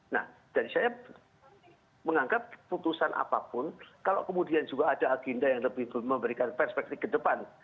nah dan saya menganggap putusan apapun kalau kemudian juga ada agenda yang lebih memberikan perspektif ke depan